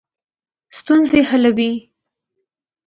ستونزې حلوي.